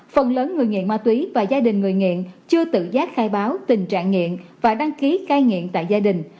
phần lớn người nghiện ma túy và gia đình người nghiện chưa tự giác khai báo tình trạng nghiện và đăng ký cai nghiện tại gia đình